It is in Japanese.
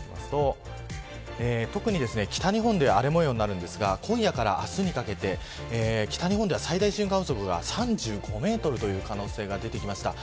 雨雲レーダーの予想で見ていくと特に北日本で荒れ模様になりますが今夜から明日にかけて北日本では最大瞬間風速が３５メートルという可能性が出てきました。